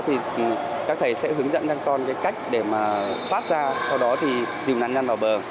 thì các thầy sẽ hướng dẫn cho con cách để mà thoát ra sau đó thì dìm nạn nhân vào bờ